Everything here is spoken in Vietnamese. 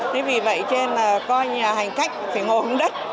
thế vì vậy cho nên là coi như là hành khách phải ngồi không đất